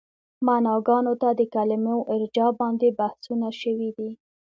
معناګانو ته د کلمو ارجاع باندې بحثونه شوي دي.